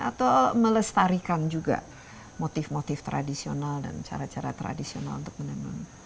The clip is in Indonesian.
atau melestarikan juga motif motif tradisional dan cara cara tradisional untuk menenun